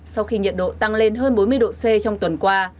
sau khi nhiệt độ tăng lên hơn bốn mươi độ c trong tuần qua